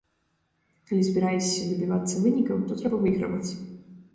Калі збіраешся дабівацца вынікаў, то трэба выйграваць.